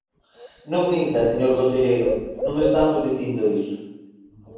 Non minta, señor conselleiro, non estamos dicindo iso.